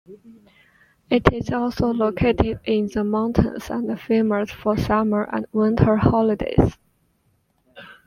It is also located in the mountains and famous for summer and winter holidays.